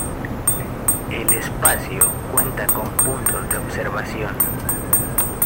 El espacio cuenta con puntos de observación.